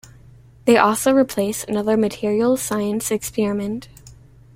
They also replaced another materials science experiment.